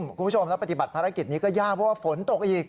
คุณผู้ชมแล้วปฏิบัติภารกิจนี้ก็ยากเพราะว่าฝนตกอีก